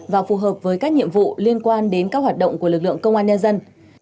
và phù hợp với các nhiệm vụ liên quan đến các hoạt động của lực lượng công an nhân dân